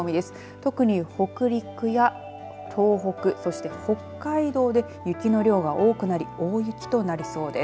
特に北陸や東北、そして北海道で雪の量が多くなり大雪となりそうです。